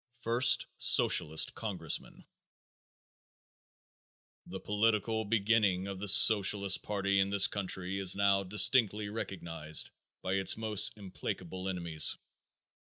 First Socialist Congressman. The political beginning of the Socialist party in this country is now distinctly recognized by its most implacable enemies.